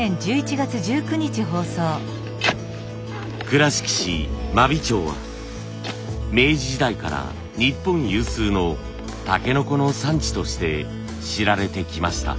倉敷市真備町は明治時代から日本有数のたけのこの産地として知られてきました。